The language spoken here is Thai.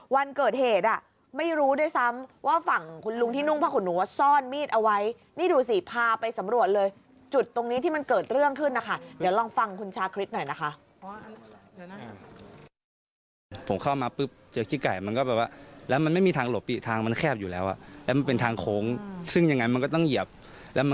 วันเกิดเหตุอ่ะไม่รู้ด้วยซ้ำว่าฝั่งคุณลุงที่นุ่งผ้าขุนหนูว่าซ่อนมีดเอาไว้นี่ดูสิพาไปสำรวจเลยจุดตรงนี้ที่มันเกิดเรื่องขึ้นนะคะเดี๋ยวลองฟังคุณชาคริสหน่อยนะคะ